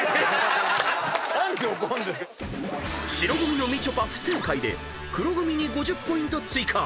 ［白組のみちょぱ不正解で黒組に５０ポイント追加］